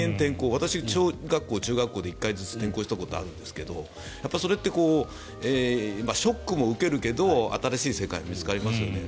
私、小学校、中学校で１回ずつ転校したことがあるんですけどそれってショックも受けるけど新しい世界が見つかりますよね。